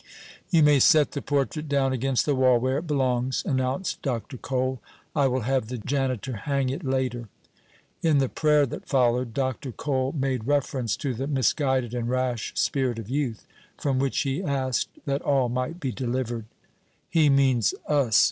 "You may set the portrait down against the wall where it belongs," announced Dr. Cole. "I will have the janitor hang it later." In the prayer that followed, Dr. Cole made reference to the "misguided and rash spirit of youth," from which he asked that all might be delivered. "He means us!"